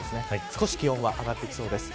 少し気温は上がってきそうです。